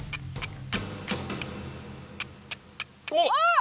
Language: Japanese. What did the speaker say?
あっ！